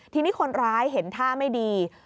ทีนี้คนร้ายเห็นท่าไม่ดี